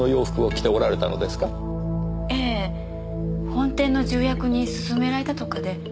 本店の重役に薦められたとかで。